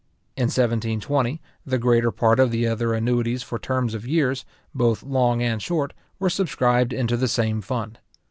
In 1720, the greater part of the other annuities for terms of years, both long and short, were subscribed into the same fund.